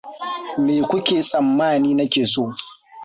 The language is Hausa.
Me kuke tsammani nake so?